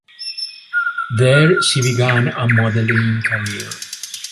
There, she began a modelling career.